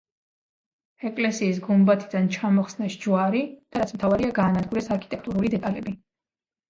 ეკლესიის გუმბათიდან ჩამოხსნეს ჯვარი და რაც მთავარია გაანადგურეს არქიტექტურული დეტალები.